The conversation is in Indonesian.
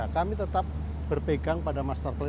kami tetap berpegang pada master plan